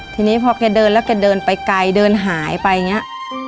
ทีนี้พอแกเดินแล้วแกเดินไปไกลเดินหายไปอย่างนี้